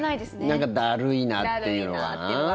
なんかだるいなっていうのは。